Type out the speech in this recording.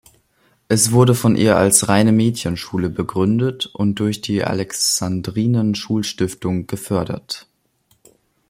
Es wurde von ihr als reine Mädchenschule begründet und durch die Alexandrinen-Schulstiftung gefördert.